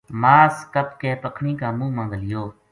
ماس کَپ کے پکھنی کا منہ ما گھلیو